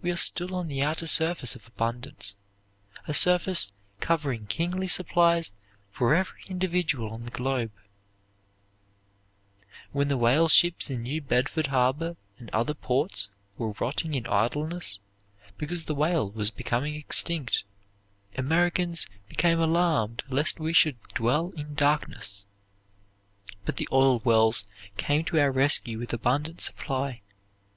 We are still on the outer surface of abundance, a surface covering kingly supplies for every individual on the globe. [Illustration: William McKinley] When the whale ships in New Bedford Harbor and other ports were rotting in idleness, because the whale was becoming extinct, Americans became alarmed lest we should dwell in darkness; but the oil wells came to our rescue with abundant supply.